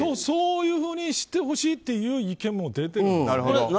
そういうふうにしてほしいという意見も出てるんですよね。